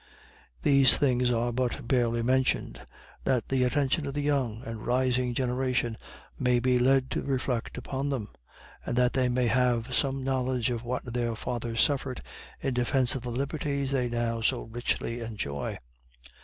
These things are but barely mentioned, that the attention of the young and rising generation may be led to reflect upon them. And that they may have some knowledge of what their fathers suffered in defence of the liberties they now so richly enjoy.